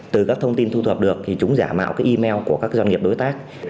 từ các thông tin thu thập được thì chúng giả mạo cái email của các doanh nghiệp đối tác